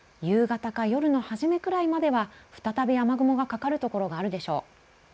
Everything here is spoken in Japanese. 夕方か夜の初めくらいまでは再び雨雲がかかる所があるでしょう。